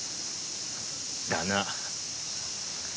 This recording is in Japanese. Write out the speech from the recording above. だな。